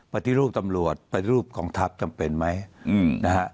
ปฏิรูปตำรวจปฏิรูปกองทัพจำเป็นไหมนะฮะ